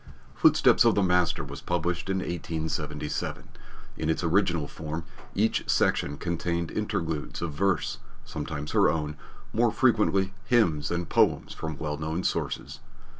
Footsteps of the Master was published in 1877. In its original form, each section contained interludes of verse, sometimes her own, more frequently hymns and poems from well known sources.